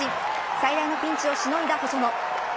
最大のピンチをしのいだ細野。